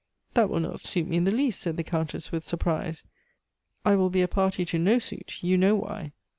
"That will not suit me in the least," said the Countess with surprise. "I will be a party to no suit; you know why."